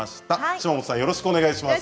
島本さんよろしくお願いします。